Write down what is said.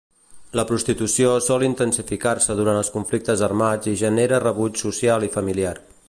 La prostitució sol intensificar-se durant els conflictes armats i genera rebuig social i familiar.